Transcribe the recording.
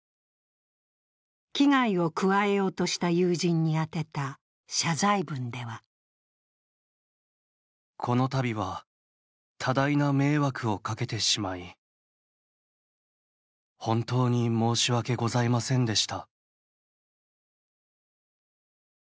危害を加えようとした友人に宛てた謝罪文ではこのたびは多大な迷惑をかけてしまい、本当に申し訳ございませんでした。